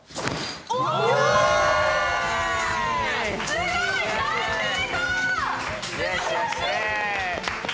すごい、大成功！